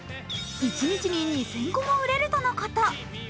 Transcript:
一日に２０００個も売れるとのこと。